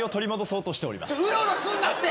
うろうろすんなって！